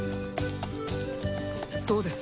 そうです。